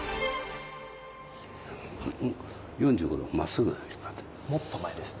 ４５度まっすぐだね。